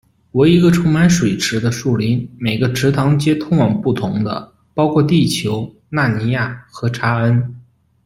为一个充满水池的树林，每个池塘皆通往不同的，包括地球、纳尼亚和查恩。